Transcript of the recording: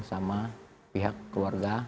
sama pihak keluarga